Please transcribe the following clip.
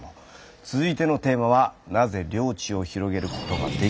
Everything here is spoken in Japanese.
続いてのテーマは「なぜ領地を広げることができたのか」。